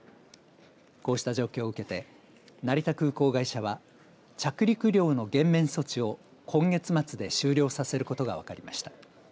こうした状況を受けて成田空港会社は着陸料の減免措置を今月末で終了させることが分かりました。